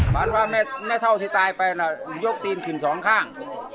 ฝันว่าแม่เท่าที่ตายไปน่ะยกตีนขึ้นสองข้าง